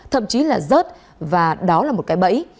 thậm chí là rớt và đó là một cái bẫy